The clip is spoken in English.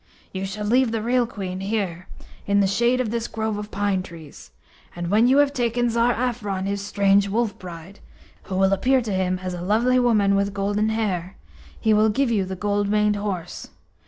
You shall leave the real Queen here, in the shade of this grove of pine trees, and when you have taken Tsar Afron his strange Wolf bride, who will appear to him as a lovely woman with golden hair, he will give you the gold maned horse.